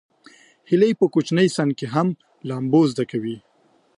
هیلۍ په کوچني سن کې هم لامبو زده کوي